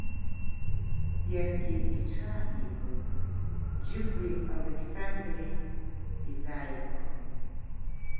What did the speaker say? Иаргьы иҽааникылт, Џьыгәи Алықьсандри изааигәахон.